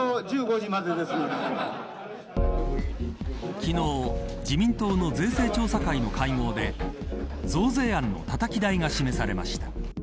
昨日自民党の税制調査会の会合で増税案のたたき台が示されました。